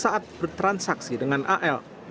saat bertransaksi dengan al